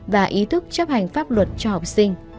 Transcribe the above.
và ý thức chấp hành pháp luật cho học sinh